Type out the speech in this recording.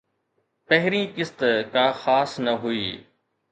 پهرين قسط ڪا خاص نه هئي